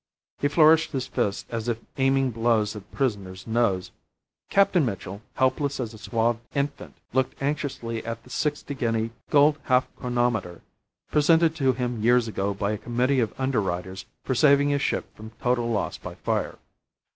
He flourished his fist as if aiming blows at the prisoner's nose. Captain Mitchell, helpless as a swathed infant, looked anxiously at the sixty guinea gold half chronometer, presented to him years ago by a Committee of Underwriters for saving a ship from total loss by fire.